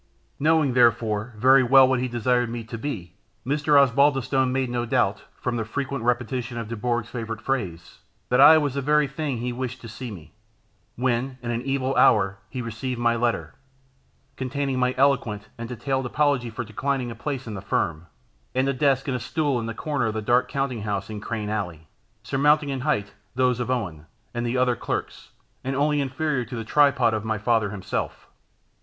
Knowing, therefore, very well what he desired me to, be, Mr. Osbaldistone made no doubt, from the frequent repetition of Dubourg's favourite phrase, that I was the very thing he wished to see me; when, in an evil hour, he received my letter, containing my eloquent and detailed apology for declining a place in the firm, and a desk and stool in the corner of the dark counting house in Crane Alley, surmounting in height those of Owen, and the other clerks, and only inferior to the tripod of my father himself.